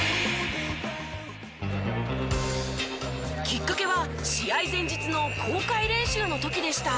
きっかけは試合前日の公開練習の時でした。